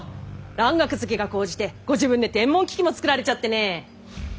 蘭学好きが高じてご自分で天文機器も作られちゃってね。